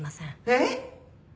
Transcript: えっ！？